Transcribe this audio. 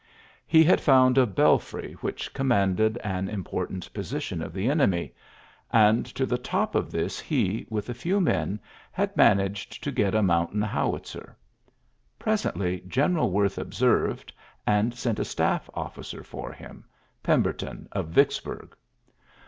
He had found a belfry which commanded an important posi tion of the enemy ; and to the top of this he^ with a few men, had managed to get a mountain howitzer. ^ Presently General Worth observed, and sent a staff officer for him — Pembertou; of Yicksburg.